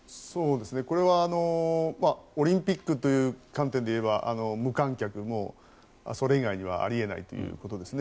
これはオリンピックという観点でいえば無観客、それ以外にはあり得ないということですね。